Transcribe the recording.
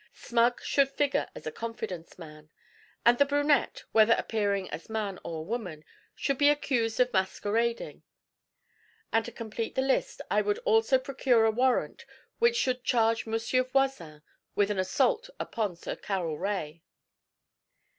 Smug should figure as a confidence man. And the brunette, whether appearing as man or woman, should be accused of masquerading. And to complete the list, I would also procure a warrant which should charge Monsieur Voisin with an assault upon Sir Carroll Rae.